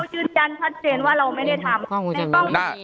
เรายืนยันชัดเจนว่าเราไม่ได้ทำ